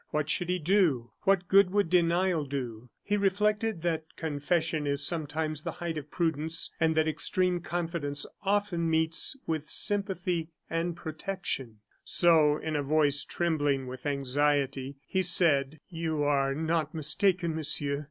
What should he do? What good would denial do? He reflected that confession is sometimes the height of prudence, and that extreme confidence often meets with sympathy and protection; so, in a voice trembling with anxiety, he said: "You are not mistaken, Monsieur.